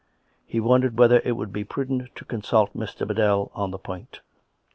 He wondered whether it would be prudent to consult Mr. Biddell on the point.